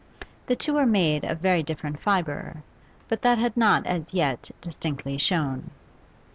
The two were made of very different fibre, but that had not as yet distinctly shown.